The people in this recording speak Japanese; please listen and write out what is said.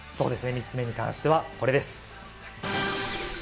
３つ目に関してはこれです。